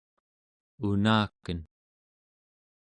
unaken